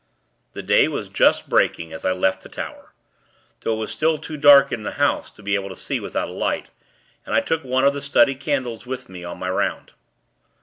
The day was just breaking, as I left the tower; though it was still too dark in the house to be able to see without a light, and I took one of the study candles with me on my 'round.